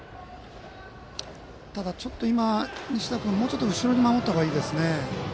ただ、西田君もうちょっと後ろに守った方がいいです。